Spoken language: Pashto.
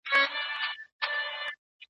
دا نیم سوځېدلی سګرټ به تل د هغه په یاد وي.